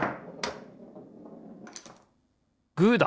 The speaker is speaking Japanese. グーだ！